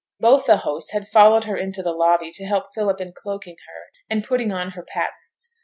Both the hosts had followed her into the lobby to help Philip in cloaking her, and putting on her pattens.